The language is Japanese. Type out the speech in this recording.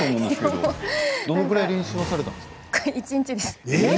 どのくらい練習されたんですか。